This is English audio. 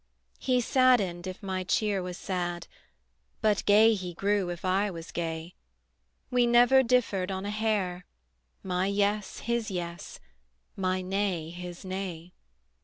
He saddened if my cheer was sad, But gay he grew if I was gay; We never differed on a hair, My yes his yes, my nay his nay.